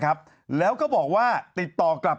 จังหรือเปล่าจังหรือเปล่า